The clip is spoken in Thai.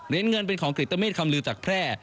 เรียนเงินเป็นของกริตเมตรคำลือจักรแพร่